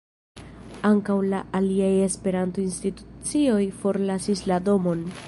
Ankaŭ la aliaj Esperanto-institucioj forlasis la domon.